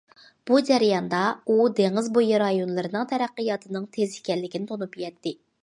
بۇ جەرياندا ئۇ دېڭىز بويى رايونلىرىنىڭ تەرەققىياتىنىڭ تېز ئىكەنلىكىنى تونۇپ يەتتى.